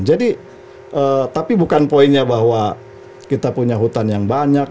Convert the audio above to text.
jadi tapi bukan poinnya bahwa kita punya hutan yang banyak